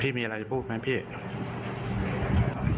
พี่มีอะไรพูดไหมพี่